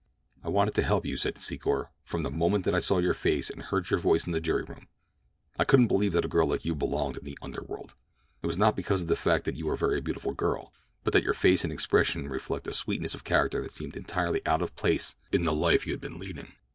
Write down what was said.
"I wanted to help you," said Secor, "from the moment that I saw your face and heard your voice in the jury room. I couldn't believe that a girl like you belonged in the underworld. It was not because of the fact that you are a very beautiful girl, but that your face and expression reflect a sweetness of character that seemed entirely out of place in the life you have been leading.